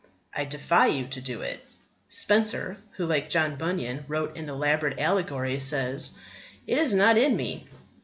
I defy you to do it. Spenser, who, like John Bunyan, wrote an elaborate allegory, says: It is not in me.